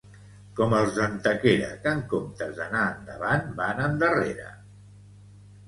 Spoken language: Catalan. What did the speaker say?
Com els d'Antequera que en comptes d'anar endavant van endarrere